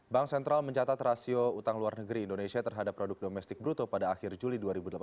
bank sentral mencatat rasio utang luar negeri indonesia terhadap produk domestik bruto pada akhir juli dua ribu delapan belas